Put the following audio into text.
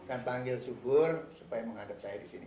dan panggil subur supaya menghadap saya di sini